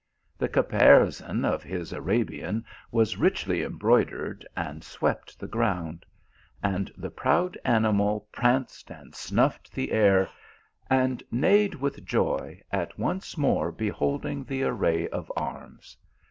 The caparison of his Arabian was richly embroidered, and swept the ground ; and the proud animal pranced and snuffed the air, and neighed with joy at once more beholding the array of arms.